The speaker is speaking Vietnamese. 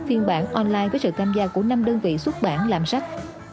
phiên bản online với sự tham gia của năm đơn vị xuất bản làm sách